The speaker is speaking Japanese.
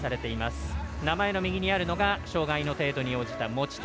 名前の右にあるのが障がいの程度に応じた持ち点。